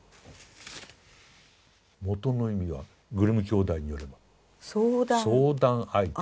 もとの意味はグリム兄弟によれば相談相手。